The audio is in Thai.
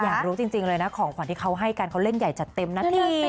อยากรู้จริงเลยนะของขวัญที่เขาให้กันเขาเล่นใหญ่จัดเต็มนาที